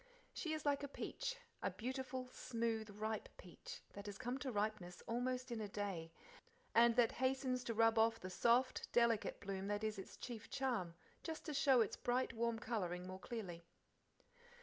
She is like a peach, a beautiful, smooth, rich peach, that has come to ripeness almost in a day, and that hastens to rub off the soft, delicate bloom that is its chief charm, just to show its bright, warm colouring more clearly.